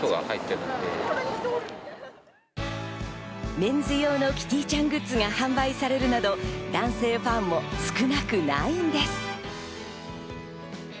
メンズ用のキティちゃんグッズが販売されるなど、男性ファンも少なくないんです。